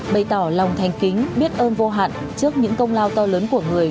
bày tỏ lòng thanh kính biết ơn vô hạn trước những công lao to lớn của người